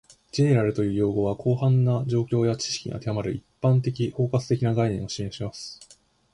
"General" という用語は、広範な状況や知識に当てはまる、一般的・包括的な概念を示します